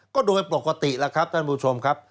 ก็โดยปกติแล้วครับท่านผู้ชมครับ